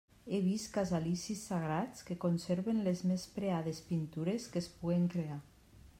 He vist casalicis sagrats que conserven les més preades pintures que es puguen crear.